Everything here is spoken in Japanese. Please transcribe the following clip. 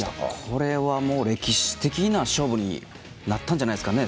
これは、歴史的な勝負になったんじゃないですかね。